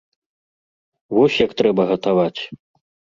Вось як трэба гатаваць!